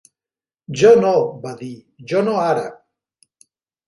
"Jo no", va dir, "jo no ara".